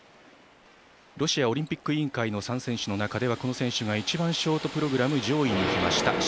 ロシアオリンピック委員会の３選手の中ではこの選手が一番ショートプログラム上位に来ました。